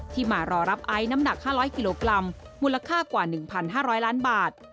มารอรับไอซ์น้ำหนัก๕๐๐กิโลกรัมมูลค่ากว่า๑๕๐๐ล้านบาท